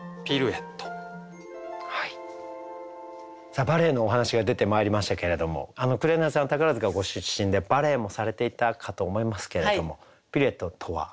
さあバレエのお話が出てまいりましたけれども紅さんは宝塚ご出身でバレエもされていたかと思いますけれどもピルエットとは？